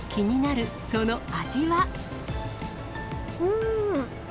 うーん。